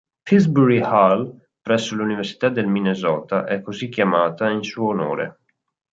Pillsbury Hall presso l'Università del Minnesota, è così chiamata in suo onore.